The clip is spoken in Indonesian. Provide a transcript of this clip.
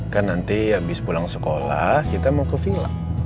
kan nanti abis pulang sekolah kita mau ke villa